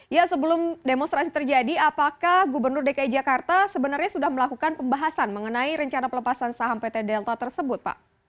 ya sebelum demonstrasi terjadi apakah gubernur dki jakarta sebenarnya sudah melakukan pembahasan mengenai rencana pelepasan saham pt delta tersebut pak